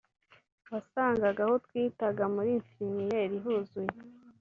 wasangaga aho twitaga muri infirmerie huzuye